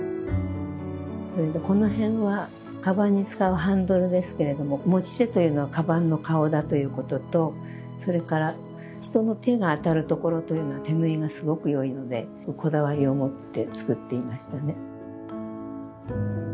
それでこの辺はカバンに使うハンドルですけれども持ち手というのはカバンの顔だということとそれから人の手が当たるところというのは手縫いがすごくよいのでこだわりを持って作っていましたね。